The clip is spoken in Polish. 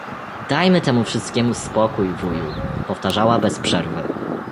„Dajmy temu wszystkiemu spokój, wuju!” — powtarzała bez przerwy.